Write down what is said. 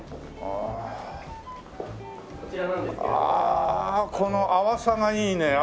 ああこの淡さがいいね。